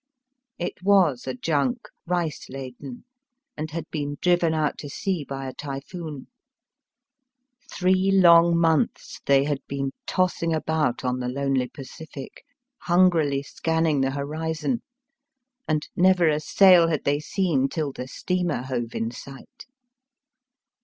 It was a junk, rice laden, and had been driven out to sea by a typhoon. Three long months Digitized by VjOOQIC 166 EAST BY WEST. they had been tossing about on the lonely Pacific, hungrily scanning the horizon, and never a sail had they seen till the steamer hove in sight.